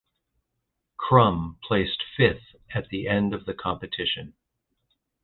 Krumm placed fifth at the end of the competition.